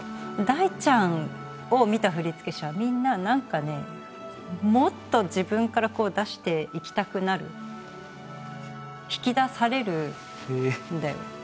大ちゃんを見た振付師はみんななんかねもっと自分からこう出していきたくなる引き出されるんだよ。